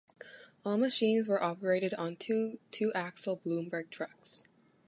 All machines were operated on two two-axle Bloomberg trucks.